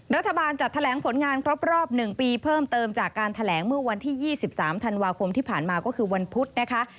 รัฐบาลจัดแถลงผลงานครบรอบ๑ปีเพิ่มเติมจากการแถลงเมื่อวันที่๒๓ธันวาคมที่ผ่านมาก็คือวันพุธนะคะ